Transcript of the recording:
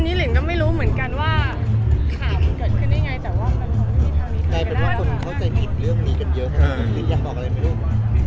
อันนี้ลินก็ไม่รู้เหมือนกันว่าข่าวมันเกิดขึ้นได้ไง